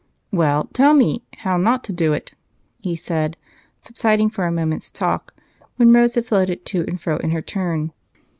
"Well, tell me 'how not to do it,'" he said, subsiding for a moment's talk when Rose had floated to and fro in her turn.